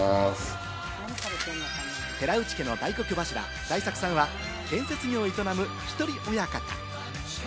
寺内家の大黒柱・大作さんは建設業を営む一人親方。